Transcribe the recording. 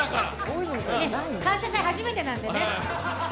感謝祭初めてなんでね。